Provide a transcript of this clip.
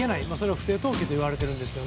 不正投球といわれているんです。